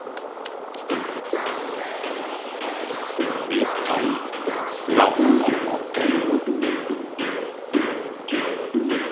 いったいなにがおこってる？